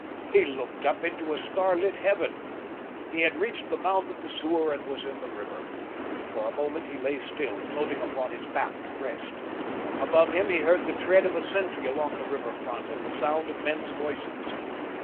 He looked up into a starlit heaven! He had reached the mouth of the sewer and was in the river. For a moment he lay still, floating upon his back to rest. Above him he heard the tread of a sentry along the river front, and the sound of men's voices.